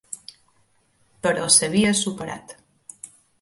Però s'havia superat.